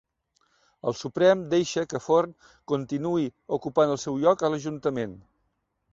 El Suprem deixa que Forn continuï ocupant el seu lloc a l'ajuntament